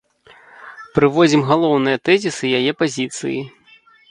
Прыводзім галоўныя тэзісы яе пазіцыі.